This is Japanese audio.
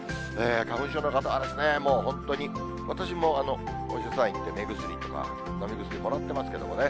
花粉症の方はもう本当に、私もお医者さん行って、目薬とか飲み薬もらってますけれどもね。